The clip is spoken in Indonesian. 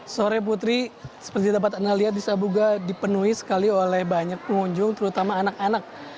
sore putri seperti dapat anda lihat di sabuga dipenuhi sekali oleh banyak pengunjung terutama anak anak